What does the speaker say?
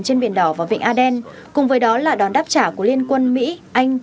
trên biển đỏ và vịnh aden cùng với đó là đòn đáp trả của liên quân mỹ anh